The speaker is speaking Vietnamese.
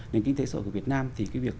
nền kinh tế sổ của việt nam thì cái việc